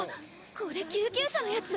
これ救急車のやつ？